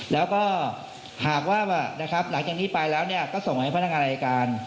แล้วก็หากว่านะครับหลังจากนี้ไปแล้วก็ส่งให้พนักงานอายการ